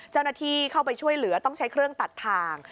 เจ้าหน้าที่เข้าไปช่วยเหลือต้องใช้เครื่องตัดทาง